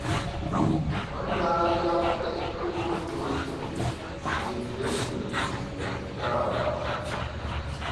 Me na njap tèt kilu ngùet yùm yim mbe te ndi ektari.